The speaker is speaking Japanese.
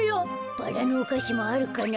バラのおかしもあるかな。